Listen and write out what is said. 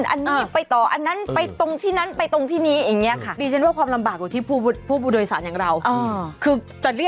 อันนี้ไปต่ออันนั้นไปตรงที่นั้นไปตรงที่นี้